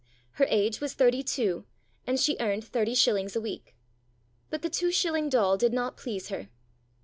Her age was thirty two, and she earned thirty shillings a week. But the two shilling doll did not please her.